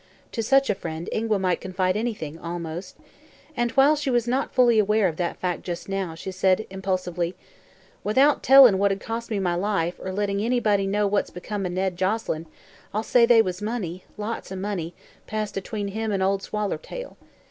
To such a friend Ingua might confide anything, almost; and, while she was not fully aware of that fact just now, she said impulsively: "Without tellin' what'd cost me my life, or lettin' anybody know what's become of Ned Joselyn, I'll say they was money lots o' money! passed atween him an' ol' Swallertail.